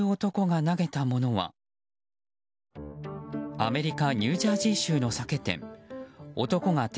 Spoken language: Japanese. アメリカニュージャージー州の酒店。